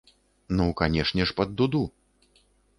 Ну, канешне ж, пад дуду!